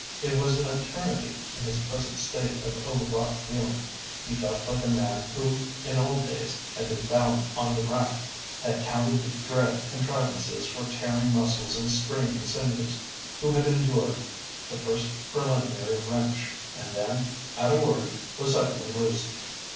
It was an eternity in his present state of overwrought feeling. He felt like a man who in old days had been bound on the rack—had counted the dread contrivances for tearing muscles and straining sinews—who had endured the first preliminary wrench, and then, at a word, was suddenly loosed.